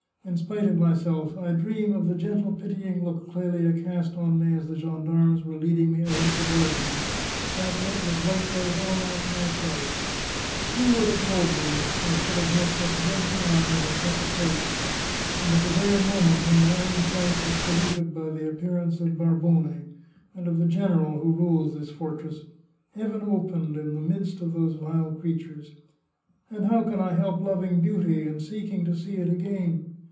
In spite of myself, I dream of the gentle pitying look Clelia cast on me as the gendarmes were leading me out of the 336 The Chartreuse of Parma guard room — that look has wiped out all my past life ! Who would have told me I should have met such gentle eyes in such a place ! and at the very moment when my own sight was polluted by the appearance of Barbone, and of the general who rules this fortress! Heaven opened, in the midst of those vile creatures. And how can I help loving beauty, and seeking to see it again?